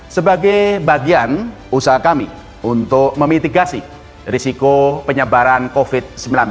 sebagai bagian usaha kami untuk memitigasi risiko penyebaran covid sembilan belas